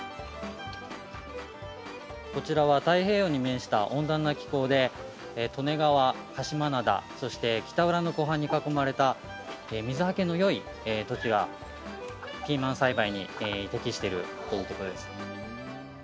こちらは太平洋に面した温暖な気候で利根川、鹿島灘そして北浦の湖畔に囲まれた水はけのよい土地がピーマン栽培に適しているということです。